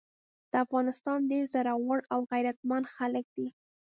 د افغانستان ډير زړور او غيرتمن خلګ دي۔